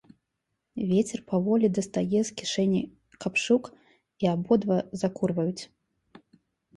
Вецер паволі дастае з кішэні капшук, і абодва закурваюць.